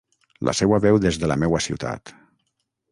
La seua veu des de la meua ciutat.